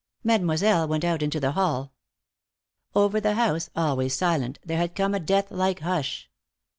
Mademoiselle went out into the hall. Over the house, always silent, there had come a death like hush.